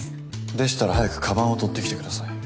でしたら早くかばんを取ってきてください。